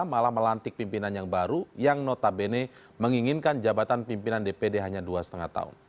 malah melantik pimpinan yang baru yang notabene menginginkan jabatan pimpinan dpd hanya dua lima tahun